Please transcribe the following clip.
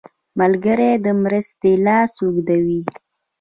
ملګری د مرستې لاس اوږدوي